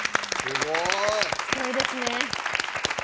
すごいですね。